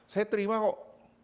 saya terima kok